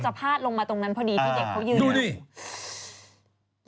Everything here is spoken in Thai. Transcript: มันจะพาดลงมาตรงนั้นพอดีที่เด็กเขายืน